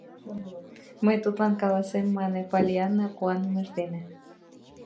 Мый тудлан каласем, — мане Поллианна куанымыж дене.